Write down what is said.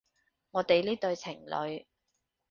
我哋呢對情侣